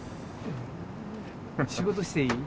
仕事していい？